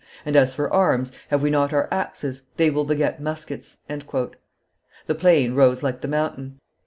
And, as for arms, have we not our axes? They will beget muskets!" The plain rose like the mountain.